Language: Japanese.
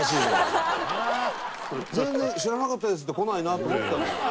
全然「知らなかったです」ってこないなって思ったのよ。